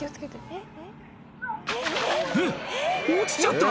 「えっ⁉」